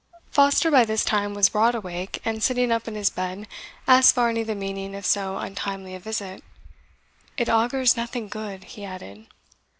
Foster by this time was broad awake, and sitting up in his bed, asked Varney the meaning of so untimely a visit. "It augurs nothing good," he added.